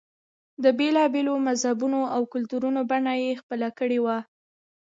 د بېلا بېلو مذهبونو او کلتورونو بڼه یې خپله کړې وه.